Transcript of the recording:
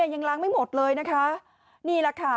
ยังล้างไม่หมดเลยนะคะ